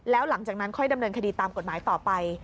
แล้วหลังจากนั้นค่อยดำเนินคดีตามกฎหมายต่อไป